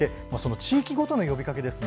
地域ごとの呼びかけですね。